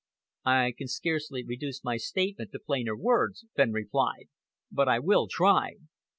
"I can scarcely reduce my statement to plainer words," Fenn replied, "but I will try.